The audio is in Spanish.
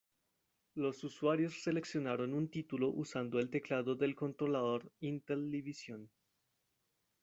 Los usuarios seleccionaron un título usando el teclado del controlador Intellivision.